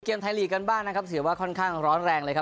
ไทยลีกกันบ้างนะครับถือว่าค่อนข้างร้อนแรงเลยครับ